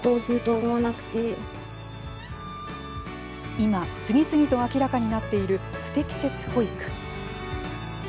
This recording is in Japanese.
今、次々と明らかになっている「不適切保育」。